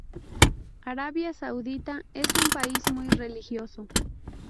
Arabia Saudita es un país muy religioso.